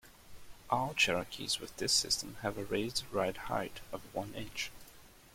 All Cherokees with this system have a raised ride height of one inch.